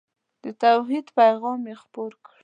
د توحید پیغام یې خپور کړ.